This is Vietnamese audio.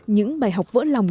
những bài học vỡ lòng